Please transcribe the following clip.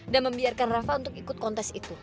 dan membiarkan reva untuk ikut kontes itu